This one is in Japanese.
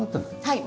はい。